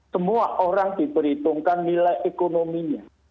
semua orang diperhitungkan nilai ekonominya